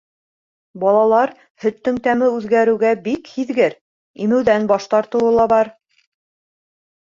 Балалар һөттөң тәме үҙгәреүгә бик һиҙгер, имеүҙән баш тартыуы ла бар.